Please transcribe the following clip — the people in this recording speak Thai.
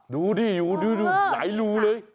ดูดูดิหลายรูเลย